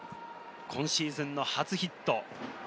今シーズンの初ヒット。